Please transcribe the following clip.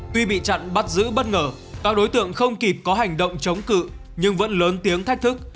tuy bị chặn bắt giữ bất ngờ các đối tượng không kịp có hành động chống cự nhưng vẫn lớn tiếng thách thức